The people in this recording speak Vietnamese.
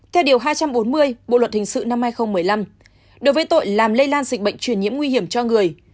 theo điều hai trăm bốn mươi bộ luật hình sự năm hai nghìn một mươi năm đối với tội làm lây lan dịch bệnh truyền nhiễm nguy hiểm cho người